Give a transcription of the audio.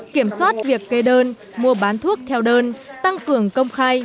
kiểm soát việc kê đơn mua bán thuốc theo đơn tăng cường công khai